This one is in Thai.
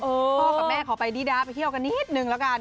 พ่อกับแม่ขอไปดีดาไปเที่ยวกันนิดนึงแล้วกัน